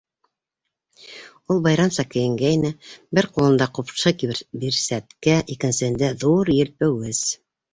Ул байрамса кейенгәйне, бер ҡулында ҡупшы бирсәткә, икенсеһендә — ҙур елпеүес.